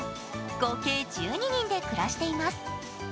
合計１２人で暮らしています。